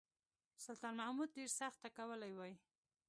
سلطان محمود ډېر سخت ټکولی وای.